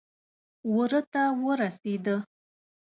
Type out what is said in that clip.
وره ته ورسېده.